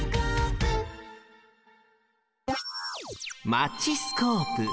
マチスコープ。